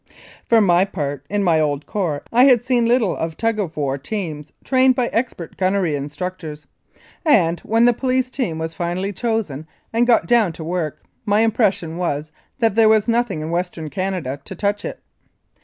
For my part, in my old corps I had seen a little of tug of war teams trained by expert gunnery instructors, and, when the police team was finally chosen and got down to work, my impression was that there was nothing in Western Canada to touch it.